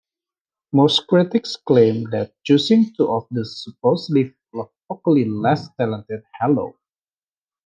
Most critics claim that choosing two of the supposedly vocally less talented Hello!